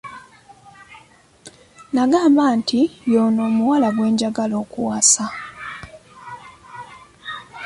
N'agamba nti y'ono omuwala gwe njagala okuwasa.